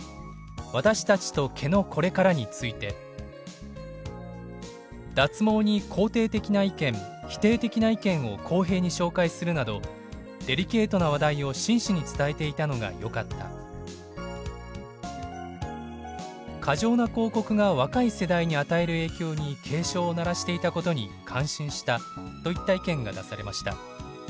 私たちと毛のこれから」について「脱毛に肯定的な意見否定的な意見を公平に紹介するなどデリケートな話題を真摯に伝えていたのがよかった」「過剰な広告が若い世代に与える影響に警鐘を鳴らしていたことに感心した」といった意見が出されました。